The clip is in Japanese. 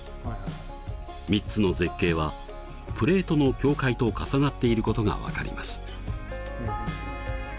３つの絶景はプレートの境界と重なっていることが分かります。